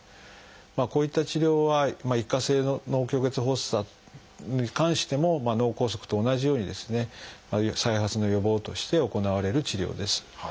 こういった治療は一過性脳虚血発作に関しても脳梗塞と同じようにですね再発の予防として行われる治療です。